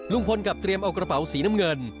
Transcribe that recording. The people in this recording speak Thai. กลับเตรียมเอากระเป๋าสีน้ำเงิน